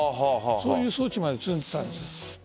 そういう装置まで積んでいた。